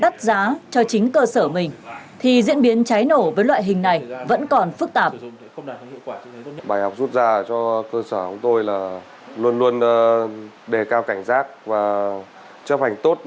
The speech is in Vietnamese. thì diễn biến cháy nổ với loại hình này vẫn còn phức tạp